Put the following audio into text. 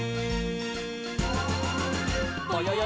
「ぼよよ